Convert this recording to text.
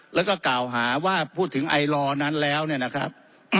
แล้วก็กล่าวหาว่าพูดถึงไอลอนั้นแล้วเนี่ยนะครับ